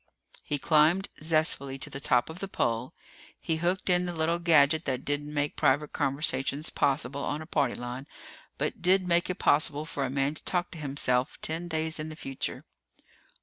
He climbed zestfully to the top of the pole. He hooked in the little gadget that didn't make private conversations possible on a party line, but did make it possible for a man to talk to himself ten days in the future.